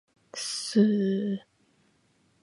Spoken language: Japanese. スー